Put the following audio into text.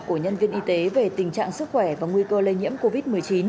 của nhân viên y tế về tình trạng sức khỏe và nguy cơ lây nhiễm covid một mươi chín